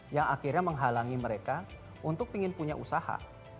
yang akhirnya menghalangi mereka untuk ingin punya usaha